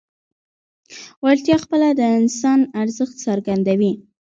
وړتیا خپله د انسان ارزښت څرګندوي.